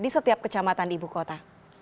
setiap kecamatan di ibukota